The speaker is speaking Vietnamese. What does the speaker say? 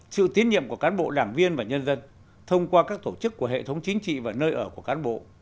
sự tiến nhiệm của cán bộ đảng viên và nhân dân thông qua các tổ chức của hệ thống chính trị và nơi ở của cán bộ